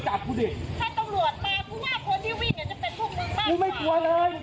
หมดไว้แล้วก็ดาบนั้น